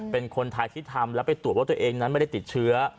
เป็นคนไทยที่ทำแล้วไปตรวจว่าตัวเองนั้นไม่ได้ติดเชื้อ